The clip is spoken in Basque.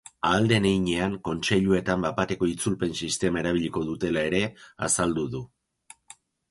Ahal den heinean, kontseiluetan bapateko itzulpen sistema erabiliko dutela ere azaldu du.